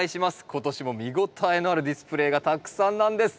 今年も見応えのあるディスプレーがたくさんなんです。